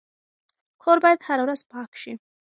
کور باید هره ورځ پاک شي.